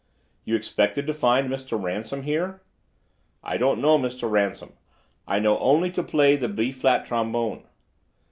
"You expected to find Mr. Ransom here?" "I don't know Mr. Ransom. I know only to play the B flat trombone."